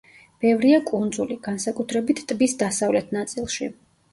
ბევრია კუნძული, განსაკუთრებით ტბის დასავლეთ ნაწილში.